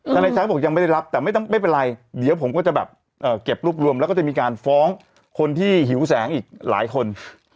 นายชัยก็บอกยังไม่ได้รับแต่ไม่เป็นไรเดี๋ยวผมก็จะแบบเก็บรวบรวมแล้วก็จะมีการฟ้องคนที่หิวแสงอีกหลายคน